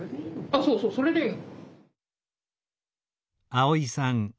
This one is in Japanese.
そうそうそれでいいの。